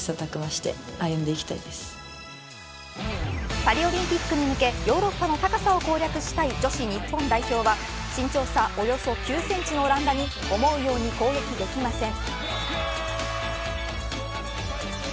パリオリンピックに向けヨーロッパの高さを攻略したい女子日本代表は身長差およそ９センチのオランダに思うように攻撃できません。